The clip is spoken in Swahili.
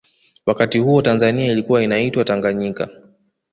wakati huo tanzania ilikua inaitwa tanganyika